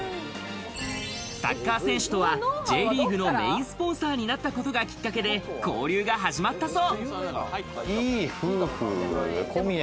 サッカー選手とはＪリーグのメインスポンサーになったことが、きっかけで交流が始まったそう。